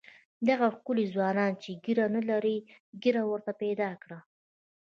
دغه ښکلي ځوانان چې ږیره نه لري ږیره ورته پیدا کړه.